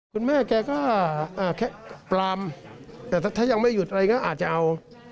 คุณแม่แกก็แค่ปลามแต่ถ้ายังไม่หยุดอะไรก็อาจจะเอา